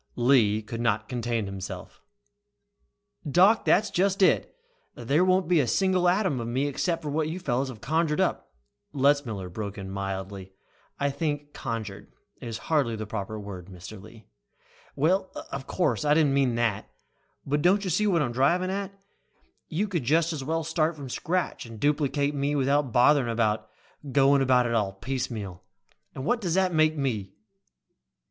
Lee could not contain himself. "Doc, that's just it! There won't be a single atom of me except what you fellows have conjured up " Letzmiller broke in mildly. "I think 'conjured' is hardly the proper word, Mr. Lee." "Well, of course, I didn't mean that. But don't you see what I'm driving at? You could just as well start from scratch and duplicate me without bothering about going about it piecemeal. And what does that make me?"